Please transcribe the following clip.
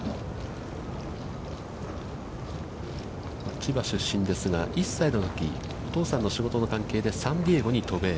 千葉出身ですが、１歳のとき、お父さんの仕事の関係でサンディエゴに渡米。